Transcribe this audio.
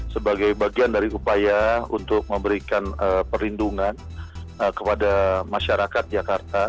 sebagai bagian dari upaya untuk memberikan perlindungan kepada masyarakat jakarta